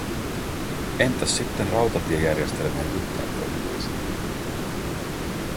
Entäs sitten rautatiejärjestelmien yhteentoimivuus?